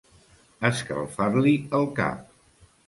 Escalfar-li el cap.